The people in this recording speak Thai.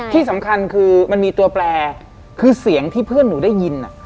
ที่สำคัญคือมันมีตัวแปลคือเสียงที่เพื่อนหนูได้ยิน